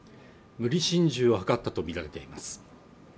無理心中を図ったとみられています